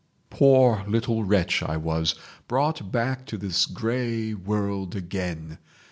"Poor little wretch I was—brought back to this grey world again!